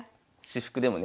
私服でも？